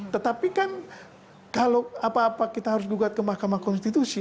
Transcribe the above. tetapi kan kalau apa apa kita harus gugat ke mahkamah konstitusi